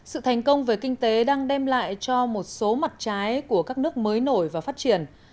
sự thành công về kinh tế đang đem lại cho một số mặt trái của các nước mới nổi và phát triển